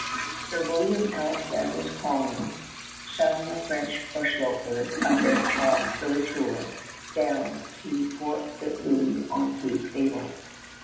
Sir William Alexander's colonists shun the French bush lopers under Charles de La Tour down at Fort St. Louis on Cape Sable.